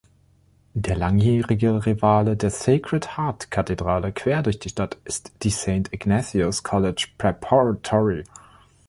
Der langjährige Rivale der Sacred Heart Kathedrale quer durch die Stadt ist die Saint Ignatius College Preparatory.